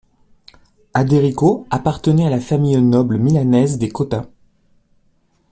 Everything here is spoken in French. Aderico appartenait à la famille noble milanaise des Cotta.